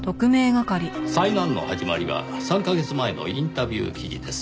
災難の始まりは３カ月前のインタビュー記事です。